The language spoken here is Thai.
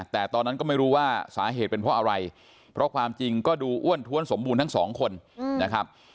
แต่ตอนนั้นก็ไม่รู้ว่าสาเหตุเป็นเพราะอะไรเพราะความจริงก็ดูอ้วนท้วนสมบูรณ์ทั้งสองคนนะครับ